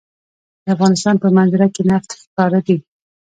د افغانستان په منظره کې نفت ښکاره دي.